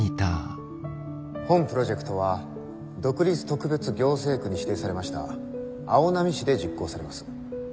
本プロジェクトは独立特別行政区に指定されました青波市で実行されます。